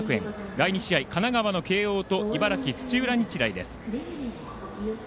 第２試合、神奈川の慶応と茨城の土浦日大です。